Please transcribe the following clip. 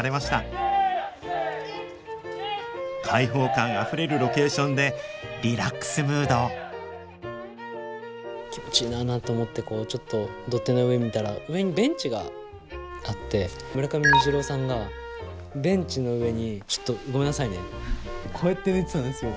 開放感あふれるロケーションでリラックスムード気持ちいいなあなんて思ってこうちょっと土手の上見たら上にベンチがあって村上虹郎さんがベンチの上にちょっとごめんなさいねこうやって寝てたんですよ。